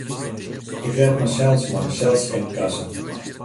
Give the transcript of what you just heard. Ik rêd mysels mei de selsscankassa.